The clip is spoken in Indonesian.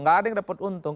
tidak ada yang dapat untung